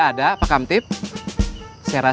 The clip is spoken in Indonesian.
kenapa di sini ganti kereta ganze